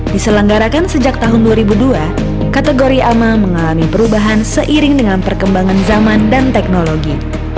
diselenggarakan sejak tahun dua ribu dua kategori ama mengalami perubahan seiring dengan perkembangan zaman dan teknologi